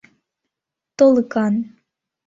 Толыкан